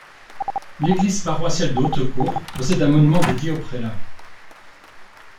L'église paroissiale de Hautecour possède un monument dédié au prélat.